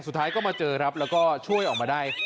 สุดท้ายก็มาเจอครับแล้วก็ช่วยออกมาได้